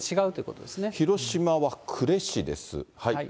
広島は呉市です。